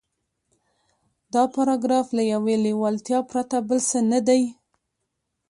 دا پاراګراف له يوې لېوالتیا پرته بل څه نه دی.